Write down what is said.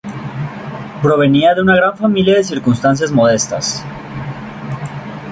Provenía de una gran familia de circunstancias modestas.